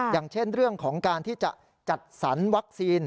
อย่างเช่นเรื่องของการที่จะจัดสรรวัคซีน